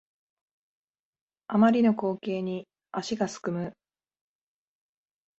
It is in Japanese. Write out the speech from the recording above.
あまりの光景に足がすくむ